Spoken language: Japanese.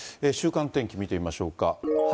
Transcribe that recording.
週間天気、見てみましょうか。